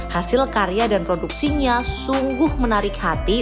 hasil karya dan produksinya sungguh menarik hati